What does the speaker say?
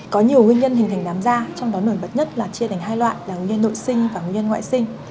có nhiều nguyên nhân hình thành đám ra trong đó nổi bật nhất là chia thành hai loại là nguyên nhân nội sinh và nguyên nhân ngoại sinh